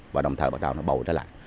và đồng thời bắt đầu nó bồi trở lại